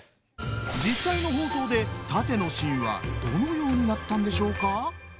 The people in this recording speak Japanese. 実際の放送で殺陣のシーンはどのようになったんでしょうか？